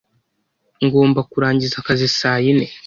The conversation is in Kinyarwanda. Ngomba kurangiza akazi saa yine.